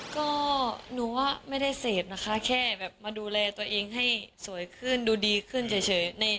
ก็หนูว่าไม่ได้เสพนะคะแค่แบบมาดูแลตัวเองให้สวยขึ้นดูดีขึ้นเฉย